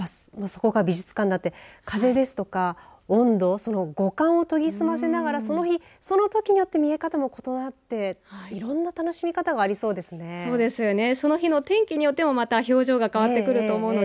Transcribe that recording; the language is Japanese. そこが美術館になって風ですとか温度、その五感をとぎすませながらその日、そのときによって見え方も異なって、いろんな楽しみ方がありそうですね。